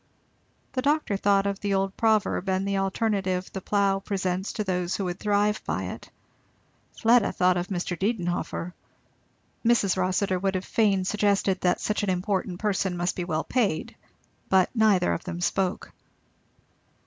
The doctor thought of the old proverb and the alternative the plough presents to those who would thrive by it; Fleda thought of Mr. Didenhover; Mrs. Rossitur would fain have suggested that such an important person must be well paid; but neither of them spoke.